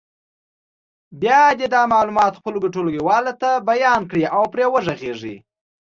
بیا دې دا معلومات خپلو ټولګیوالو ته بیان کړي او پرې وغږېږي.